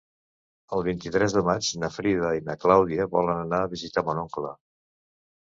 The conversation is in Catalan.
El vint-i-tres de maig na Frida i na Clàudia volen anar a visitar mon oncle.